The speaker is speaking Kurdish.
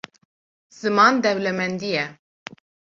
Ziman dewlemendî ye.